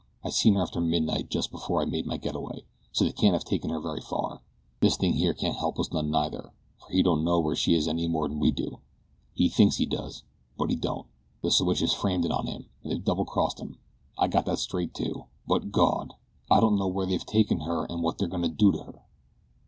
I seen her after midnight, just before I made my getaway, so they can't have taken her very far. This thing here can't help us none neither, for he don't know where she is any more'n we do. He thinks he does; but he don't. The siwashes framed it on him, an' they've doubled crossed him. I got that straight too; but, Gawd! I don't know where they've taken her or what they're goin' to do with her."